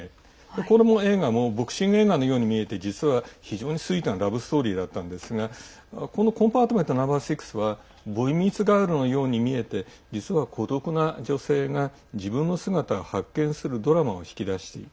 この映画もボクシング映画のように見えて実は、非常にスイートなラブストーリーだったんですがこの「コンパートメントＮｏ．６」はボーイ・ミーツ・ガールのように見えて実は孤独な女性が自分の姿を発見するドラマを引き出していく。